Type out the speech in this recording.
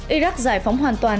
iraq giải phóng hoàn toàn